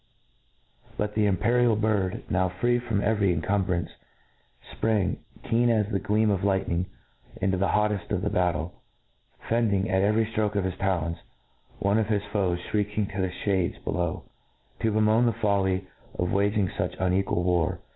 But the imperial bird, > now free froni every incumbrance, fprang, keen as the gleam ©f ligtitening, into the hoteft of the battle, fendr ing, at every ftroke of his talons, one of his foe^ flirieking to the fliades below, to bemoan the fol ly of waging fuch unequal war.